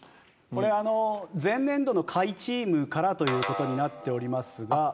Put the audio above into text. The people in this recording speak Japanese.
これ前年度の下位チームからという事になっておりますが。